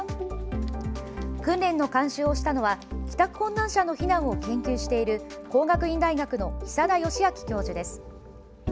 訓練の監修をしたのは帰宅困難者の避難を研究している工学院大学の久田嘉章教授です。